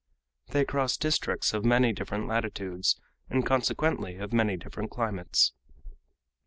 They cross districts of many different latitudes, and consequently of many different climates.